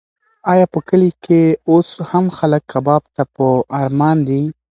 ایا په کلي کې اوس هم خلک کباب ته په ارمان دي؟